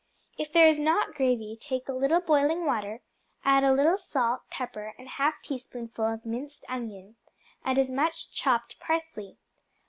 If there is not gravy, take a little boiling water, add a little salt, pepper, and half teaspoonful of minced onion, and as much chopped parsley.